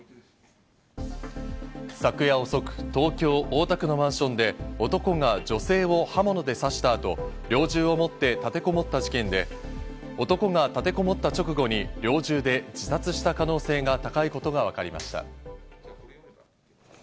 昨夜遅く東京・大田区のマンションで男が女性を刃物で刺したあと猟銃を持って立てこもった事件で、男が立てこもった直後に猟銃で自殺した可能性が高いことがわかりました。